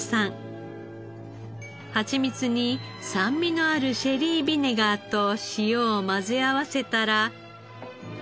ハチミツに酸味のあるシェリービネガーと塩を混ぜ合わせたら。